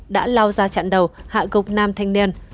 đã lao ra chặn đầu hạ gục nam thanh niên